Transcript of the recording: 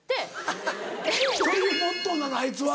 ハハっそういうモットーなのあいつは。